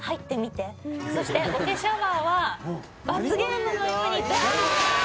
「そして桶シャワーは罰ゲームのようにダーッ！」